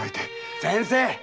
・先生！